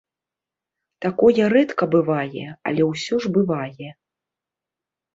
Такое рэдка бывае, але ўсё ж бывае.